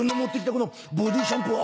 このボディーシャンプー